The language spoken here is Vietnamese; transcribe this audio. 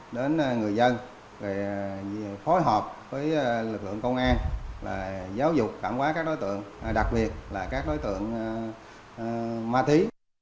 đến người dân phối hợp với lực lượng công an giáo dục cảm hóa các đối tượng đặc biệt là các đối tượng ma thí